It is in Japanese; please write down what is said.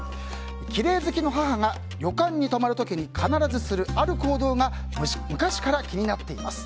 きれい好きの母が旅館に泊まる時に必ずする、ある行動が昔から気になっています。